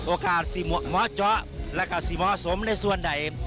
โอกาสสิหมอเจาะและสิหมอสมในส่วนใด